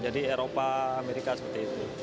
jadi eropa amerika seperti itu